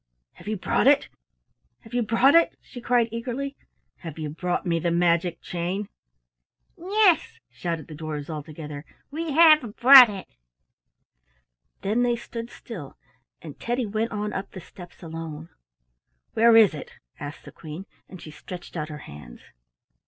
"Have you brought it? Have you brought it?" she cried eagerly. "Have you brought me the magic chain?" "Yes," shouted the dwarfs all together, "we have brought it." Then they stood still, and Teddy went on up the steps along. "Where is it?" asked the Queen, and she stretched out her hands.